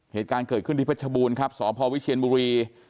เหตุการณ์เกิดขึ้นที่เพชรบูรณ์ครับสพวิเชียนบุรี